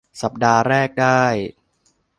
สัปดาห์แรกได้